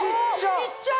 小っちゃい！